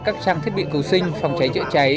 các trang thiết bị cứu sinh phòng cháy chữa cháy